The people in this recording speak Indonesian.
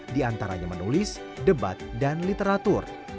di antaranya menulis debat dan literatur